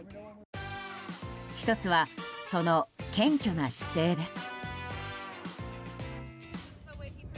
１つは、その謙虚な姿勢です。